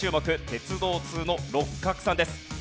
鉄道ツウの六角さんです。